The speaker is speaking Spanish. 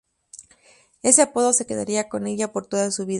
Ese apodo se quedaría con ella por toda su vida.